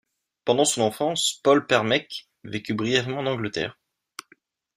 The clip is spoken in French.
Pendant son enfance, Paul Permeke vécu brièvement en Angleterre.